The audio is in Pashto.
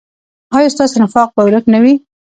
ایا ستاسو نفاق به ورک نه وي؟